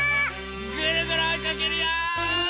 ぐるぐるおいかけるよ！